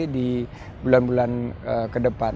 di bulan bulan kedepan